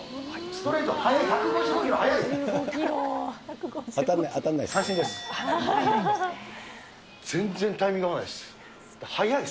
ストレート速い。